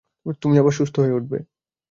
তুমি আবার সুস্থ হয়ে উঠবে।